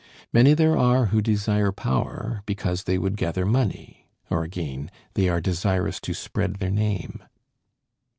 Many there are who desire power because they would gather money; or again, they are desirous to spread their name.